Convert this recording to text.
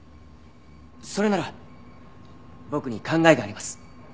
それなら僕に考えがあります。